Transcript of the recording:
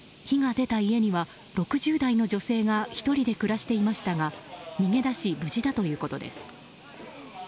火が出た家には６０代の女性が１人で暮らしていましたが逃げ出し、無事だということです。